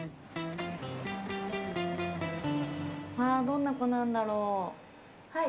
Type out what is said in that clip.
どんな子なんだろう。